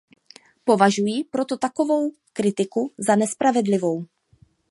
Považuji proto takovou kritiku za nespravedlivou.